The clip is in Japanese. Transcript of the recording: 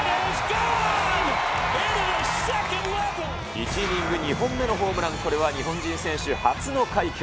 １イニング２本目のホームラン、これは日本人選手初の快挙。